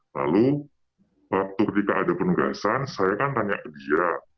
lalu waktu ketika ada penugasan saya kan tanya ke dia